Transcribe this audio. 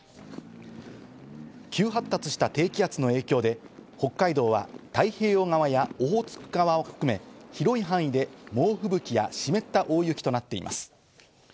急発達した低気圧の影響で北海道は太平洋側やオホーツク側を含め、広い範囲で猛吹雪や湿った大雪となっています。